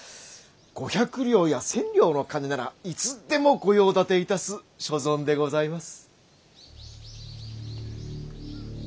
五百両や千両の金ならいつでもご用立ていたす所存でございます。